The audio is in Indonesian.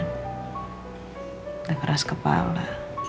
udah keras kepala